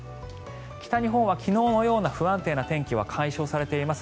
北日本は昨日のような不安定な天気は解消されています。